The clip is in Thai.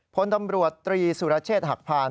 ผลตำรวจตรีสุรเชษหักผ่าน